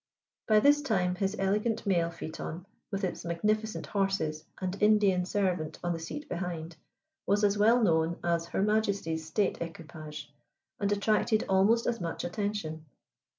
By this time his elegant mail phaeton, with its magnificent horses and Indian servant on the seat behind, was as well known as Her Majesty's state equipage, and attracted almost as much attention.